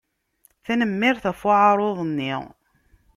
Tanemmirt ɣef uεaruḍ-nni.